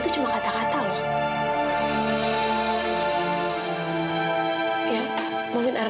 semua kuda kaga mohonnya square